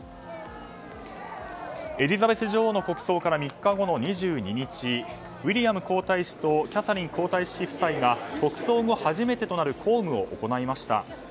エリザベス女王の国葬から３日後の２２日、ウィリアム皇太子とキャサリン皇太子妃夫妻が国葬後、初めてとなる公務を行いました。